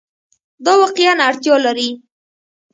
دا واقعیا اړتیا لري